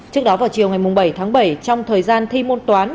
trước đó vào chiều ngày bảy tháng bảy trong thời gian thi môn toán